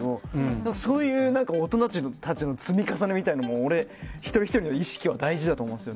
そういう大人たちの積み重ねというのも一人一人の意識は大事だと思います。